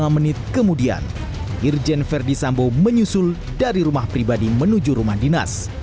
lima menit kemudian irjen verdi sambo menyusul dari rumah pribadi menuju rumah dinas